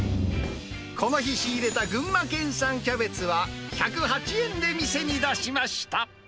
この日仕入れた群馬県産キャベツは、１０８円で店に出しました。